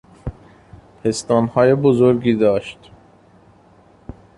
پستانهای بزرگی داشت.